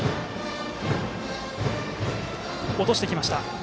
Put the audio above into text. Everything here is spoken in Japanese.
落としてきました。